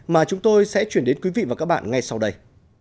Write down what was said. mà chúng tôi sẽ chuyển đến quý vị và các bạn ngay sau đây